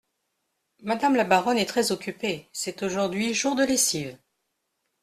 Madame la baronne est très occupée, c’est aujourd’hui jour de lessive.